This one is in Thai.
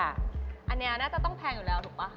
อันนี้น่าจะต้องแพงอยู่แล้วถูกป่ะ